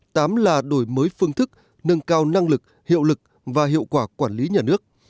tám là đổi mới phương thức nâng cao năng lực hiệu lực và hiệu quả quản lý nhà nước